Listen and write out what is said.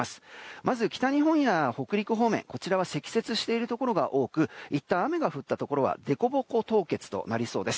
まず北日本や北陸方面、こちらは積雪しているところが多くいったん雨が降ったところはでこぼこ凍結となりそうです。